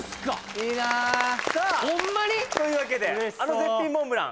・いいなさあというわけであの絶品モンブラン